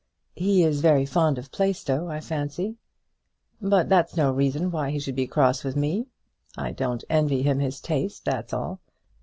"He is very fond of Plaistow, I fancy." "But that's no reason why he should be cross with me. I don't envy him his taste, that's all.